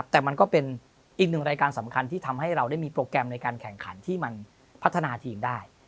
แต่มันก็เป็นอีกหนึ่งรายการสำคัญที่ทำให้เราได้มีโปรแกรมในการแข่งขันที่มันพัฒนาทีมได้